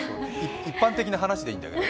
一般的な話でいいんだよ？